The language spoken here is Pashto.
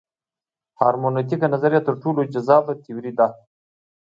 هرمنوتیک نظریه تر ټولو جذابه تیوري ده.